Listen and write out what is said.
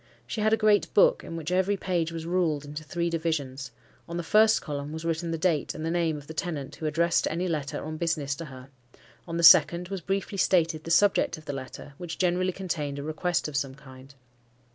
She had a great book, in which every page was ruled into three divisions; on the first column was written the date and the name of the tenant who addressed any letter on business to her; on the second was briefly stated the subject of the letter, which generally contained a request of some kind.